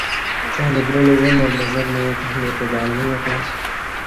کیا liberalism اور مذہب میں کہیں اعتدال نہیں ہوتا؟